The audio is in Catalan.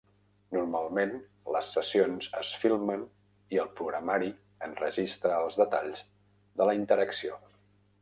Normalment, les sessions es filmen i el programari enregistra els detalls de la interacció.